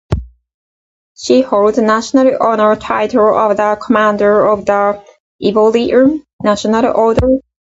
She holds national honour title of the Commander of the Ivorian National Order.